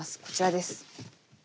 こちらです。